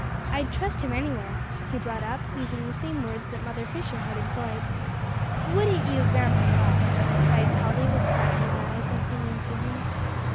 I'd trust him anywhere," he brought up, using the same words that Mother Fisher had employed. "Wouldn't you, Grandpapa!" cried Polly with sparkling eyes, and clinging to him.